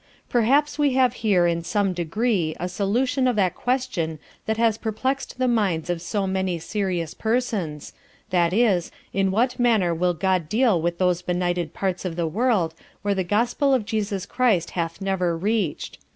Perhaps we have here in some Degree a Solution of that Question that has perplex'd the Minds of so many serious Persons, viz. In what Manner will God deal with those benighted Parts of the World where the Gospel of Jesus Christ hath never reach'd?